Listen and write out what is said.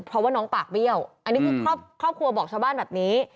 เพราะว่าน้องปากเบี้ยวอันนี้คือครอบครัวบอกชาวบ้านแบบนี้